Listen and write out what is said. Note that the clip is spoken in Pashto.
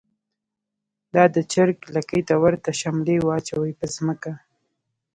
دا د چر ګ لکۍ ته ورته شملی واچوی په ځمکه